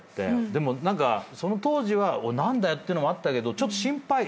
でもその当時は何だよってのもあったけどちょっと心配。